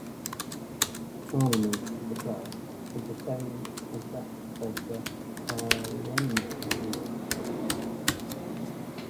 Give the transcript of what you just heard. Armament of the class was the same as that of the "Haarlemmermeer" class.